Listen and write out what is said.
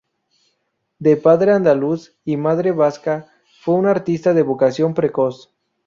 De padre andaluz y madre vasca, fue un artista de vocación precoz.